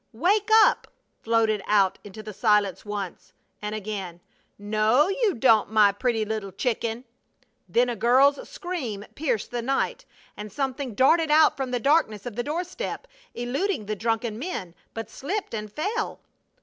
"Wake up!" floated out into the silence once. And again, "No, you don't, my pretty little chicken!" Then a girl's scream pierced the night and something darted out from the darkness of the door step, eluding the drunken men, but slipped and fell!